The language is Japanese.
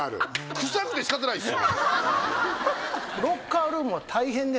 臭くて仕方ないっす。